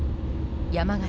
山形